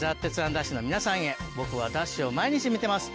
ＤＡＳＨ‼』の皆さんへ僕は『ＤＡＳＨ‼』を毎日見てます。